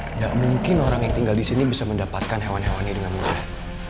tidak mungkin orang yang tinggal disini bisa mendapatkan hewan hewan ini dengan mudah